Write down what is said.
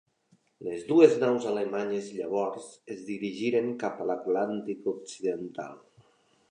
Les dues naus alemanyes, llavors, es dirigiren cap a l'Atlàntic occidental.